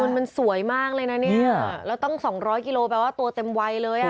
คุณมันสวยมากเลยนะเนี่ยแล้วต้อง๒๐๐กิโลกรัมแปลว่าตัวเต็มไวเลย